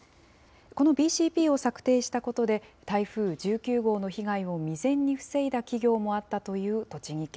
このＢＣＰを策定したことで、台風１９号の被害を未然に防いだ企業もあったという栃木県。